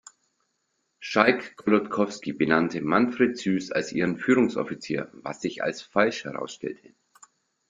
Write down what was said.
Schalck-Golodkowski benannte Manfred Süß als ihren Führungsoffizier, was sich als falsch herausstellte.